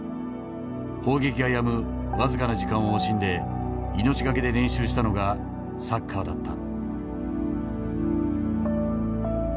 砲撃がやむ僅かな時間を惜しんで命懸けで練習したのがサッカーだった。